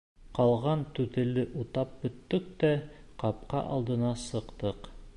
Ҡалған түтәлде утап бөттөк тә ҡапҡа алдына сыҡтыҡ.